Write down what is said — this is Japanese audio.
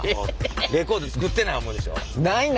レコード作ってない思うでしょ？